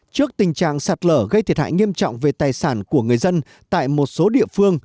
trước tình trạng sạt lở gây thiệt hại nghiêm trọng về tài sản của người dân tại một số địa phương